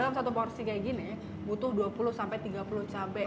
dalam satu porsi kayak gini butuh dua puluh tiga puluh cabai